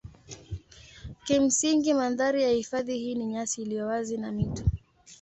Kimsingi mandhari ya hifadhi hii ni nyasi iliyo wazi na mito.